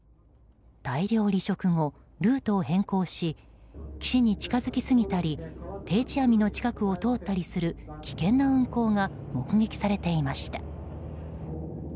大量離職後、ルートを変更し岸に近づきすぎたり定置網の近くを通ったりする危険な運航が目撃されていました。